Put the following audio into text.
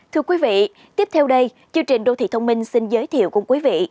thưa quý vị tiếp theo đây chương trình đô thị thông minh xin giới thiệu cùng quý vị